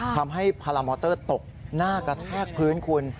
พารามอเตอร์ตกหน้ากระแทกพื้นคุณ